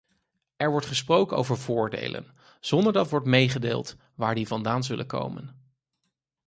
Er wordt gesproken over voordelen, zonder dat wordt meegedeeld waar die vandaan zullen komen.